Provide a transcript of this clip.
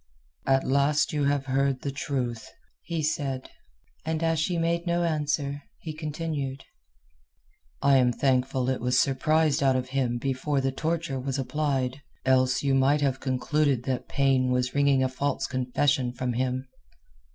"At last you have heard the truth," he said. And as she made no answer he continued: "I am thankful it was surprised out of him before the torture was applied, else you might have concluded that pain was wringing a false confession from him."